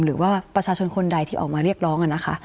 หรือว่าประชาชนคนใดที่ออกมาเรียกร้องนะคะ